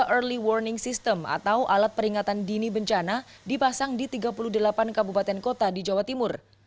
satu ratus tujuh puluh tiga early warning system atau alat peringatan dini bencana dipasang di tiga puluh delapan kabupaten kota di jawa timur